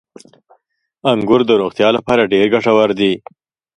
• انګور د روغتیا لپاره ډېر ګټور دي.